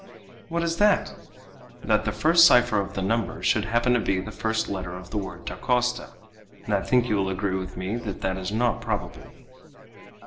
"What is that?" "That the first cipher of the number should happen to be the first letter of the word Dacosta, and I think you will agree with me that that is not probable."